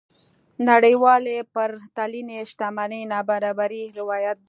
نړيوالې پرتلنې شتمنۍ نابرابرۍ روايت دي.